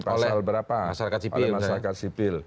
pasal berapa masyarakat sipil